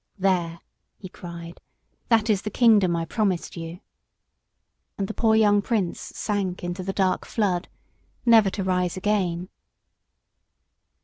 "There," he cried, "that is the kingdom I promised you." And the poor young Prince sank into the dark flood, never to rise again.